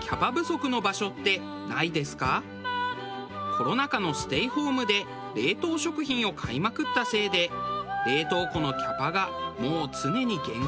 コロナ禍のステイホームで冷凍食品を買いまくったせいで冷凍庫のキャパがもう常に限界です。